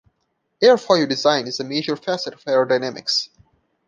Airfoil design is a major facet of aerodynamics.